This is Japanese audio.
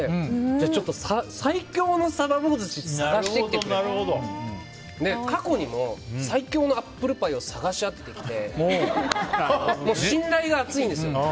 ちょっと最強の鯖棒寿司を探してきてくれって頼んで過去にも、最強のアップルパイを探し当ててきていて信頼が厚いんですよ。